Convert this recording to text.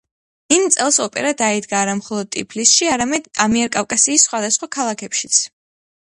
იმ წელს ოპერა დაიდგა არა მხოლოდ ტიფლისში, არამედ ამიერკავკასიის სხვადასხვა ქალაქებშიც.